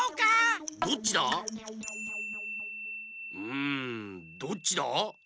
うんどっちだ？